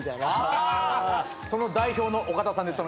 その代表の岡田さんです。